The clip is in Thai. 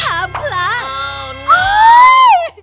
หาช่องไอรัสทีวีท้ามพละ